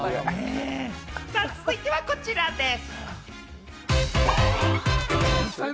続いてはこちらです。